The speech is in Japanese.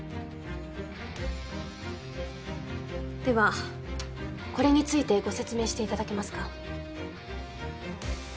ではこれについてご説明して頂けますか？